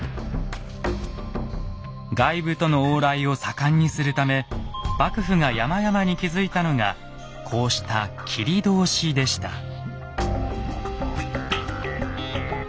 外部との往来を盛んにするため幕府が山々に築いたのがこうした切通でした。